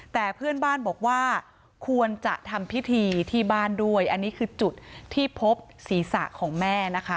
แต่เพื่อนบ้านบอกว่าควรจะทำพิธีที่บ้านด้วยอันนี้คือจุดที่พบศีรษะของแม่นะคะ